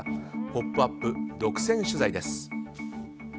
「ポップＵＰ！」、独占取材です。